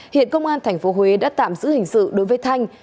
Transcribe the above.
hiện công an tp huế đã tạm giữ hình sự đối với thanh